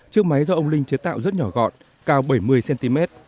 chiếc máy do ông linh chế tạo rất nhỏ gọn cao bảy mươi cm